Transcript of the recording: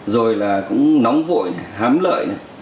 rồi là cũng nóng vội hám lợi